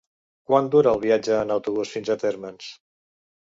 Quant dura el viatge en autobús fins a Térmens?